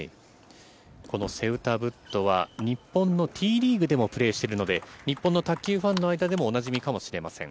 このセウタブットは、日本のＴリーグでもプレーしているので、日本の卓球ファンの間でもおなじみかもしれません。